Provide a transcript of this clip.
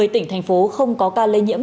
một mươi tỉnh thành phố không có ca lây nhiễm